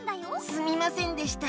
すみませんでした。